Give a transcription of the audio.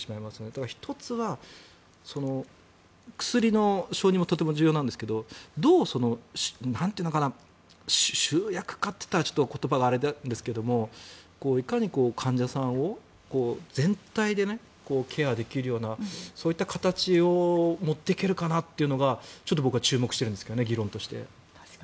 だから１つは、薬の承認もとても重要なんですがどう集約化というと言葉があれなんですけどいかに患者さんを全体でケアできるようなそういった形に持っていけるかなというのが僕は議論として注目しているんですけどね。